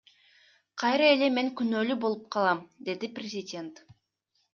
Кайра эле мен күнөөлүү болуп калам, — деди президент.